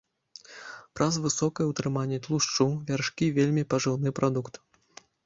Праз высокае ўтрыманне тлушчу вяршкі вельмі пажыўны прадукт.